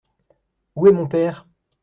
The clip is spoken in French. Où est mon père ?